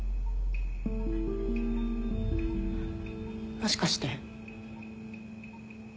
もしかして。